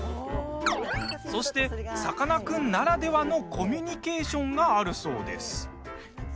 そして、さかなクンならではのコミュニケーションがあるそうです。